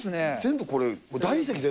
全部これ、大理石？